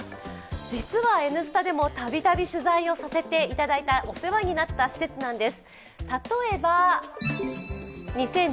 実は「Ｎスタ」でもたびたび取材をさせていただいたお世話になった施設なんです。